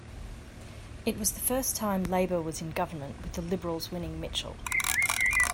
It was the first time Labor was in government with the Liberals winning Mitchell.